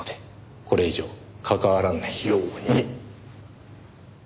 これ以上関わらないように！